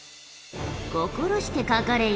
心してかかれよ。